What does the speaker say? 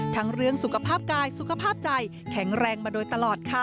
เรื่องสุขภาพกายสุขภาพใจแข็งแรงมาโดยตลอดค่ะ